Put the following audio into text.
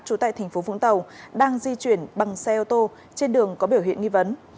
trú tại tp vũng tàu đang di chuyển bằng xe ô tô trên đường có biểu hiện nghi vấn